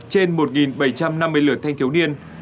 trên một bảy trăm năm mươi lượt thanh thiếu niên